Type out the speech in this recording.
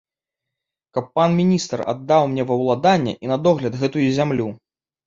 Каб пан міністр аддаў мне ва ўладанне і на догляд гэтую зямлю.